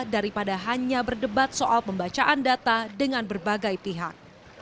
daripada hanya berdebat soal pembacaan data dengan berbagai pihak